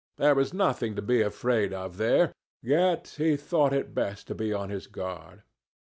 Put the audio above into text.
There was nothing to be afraid of, there. Yet he thought it best to be on his guard.